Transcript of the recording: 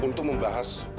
untuk membahas konsep iklan